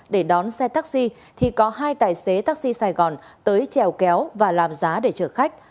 để đón xe taxi thì có hai tài xế taxi sài gòn tới trèo kéo và làm giá để chở khách